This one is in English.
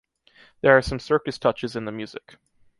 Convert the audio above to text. There are some circus touches in the music.